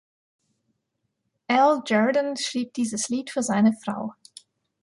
Al Jardine schrieb dieses Lied für seine Frau.